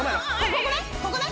ここね